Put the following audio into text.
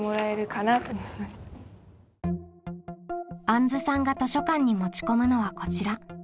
あんずさんが図書館に持ち込むのはこちら。